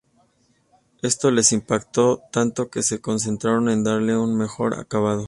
Esto les impactó tanto que se concentraron en darle un mejor acabado.